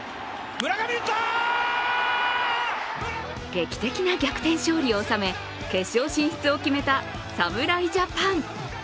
劇的な逆転勝利を収め、決勝進出を決めた侍ジャパン。